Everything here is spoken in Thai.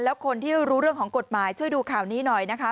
แล้วคนที่รู้เรื่องของกฎหมายช่วยดูข่าวนี้หน่อยนะคะ